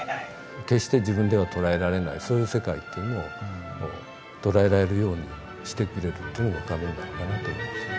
決して自分では捉えられないそういう世界っていうのを捉えられるようにしてくれるっていうのが仮面なのかなと思います。